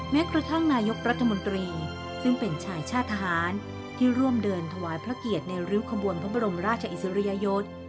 แม้กระทั่งนายกรัฐมนตรีซึ่งเป็นชายชาติทหารที่ร่วมเดินถวายพระเกียรติในริ้วขบวนพระบรมราชอิสริยยศ